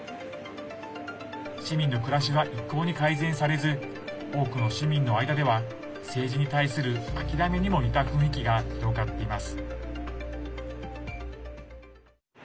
市民の暮らしは一向に改善されず多くの市民の間では政治に対する諦めにも似た雰囲気が広がっています。